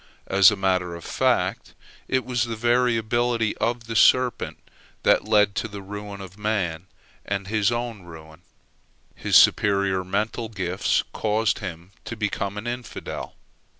As a matter of fact, it was the very ability of the serpent that led to the ruin of man and his own ruin. His superior mental gifts caused him to become an infidel.